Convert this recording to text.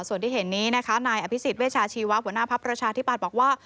ส่วนที่เห็นนี้นะคะนายอภิษฎเวชาชีวะหัวหน้าภักดิ์ประชาธิปัตย์บอกว่า